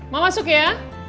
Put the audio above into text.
mama masuk ya